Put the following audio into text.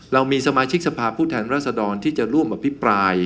เรามีสมาชิกสภาพผู้แทนรัศดรที่จะร่วมอภิปราย